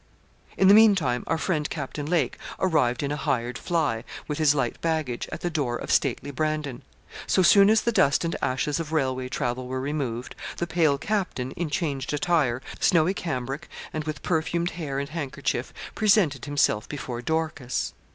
In the meantime our friend, Captain Lake, arrived in a hired fly, with his light baggage, at the door of stately Brandon. So soon as the dust and ashes of railway travel were removed, the pale captain, in changed attire, snowy cambric, and with perfumed hair and handkerchief, presented himself before Dorcas.